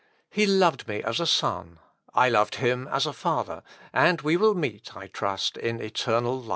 He loved me as a son, I loved him as a father, and we will meet, I trust, in eternal life."